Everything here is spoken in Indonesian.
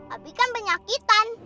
abi kan penyakitan